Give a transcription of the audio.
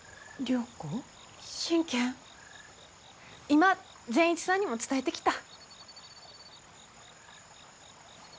今善一さんにも伝えてきた。